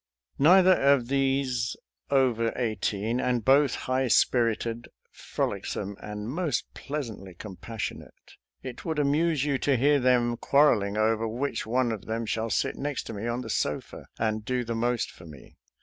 Neither of these over eighteen, and both high spirited, frolicsome, and most pleasantly compassionate, it would amuse you to hear them quarreling over which one of them shall sit next to me on the sofa and do the most for me.